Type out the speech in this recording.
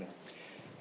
tanggal ke depan